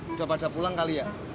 sudah pada pulang kali ya